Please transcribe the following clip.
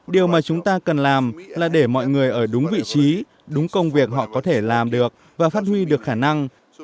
điều mà chúng ta cần làm là để mọi người ở đúng vị trí đúng công việc họ có thể làm được và phát huy được khả năng